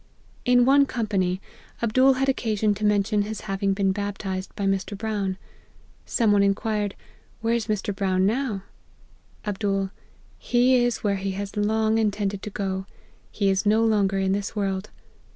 " In one company, Abdool had occasion to men tion his having been baptized by Mr. Brown. Some one inquired, Where is Mr. Brown now ?'" Md. ' He is where he has long intended to go. He is no longer in this world.'